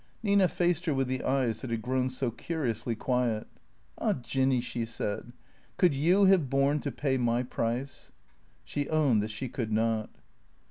Nina faced her with tlie eyes that had grown so curiously quiet. " Ah, Jinn}^/' she said, " could you have borne to pay my price ?" She owned that she could not.